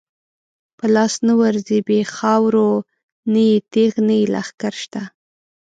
په لاس نه ورځی بی خاورو، نه یی تیغ نه یی لښکر شته